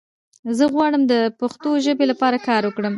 زۀ غواړم د پښتو ژبې لپاره کار وکړم!